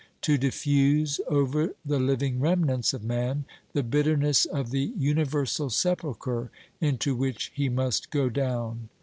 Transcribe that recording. To diffuse over the living remnants of man the bitterness of the universal sepulchre into which he must go down.